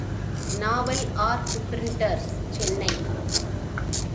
novel art printers, Chennai